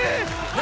何？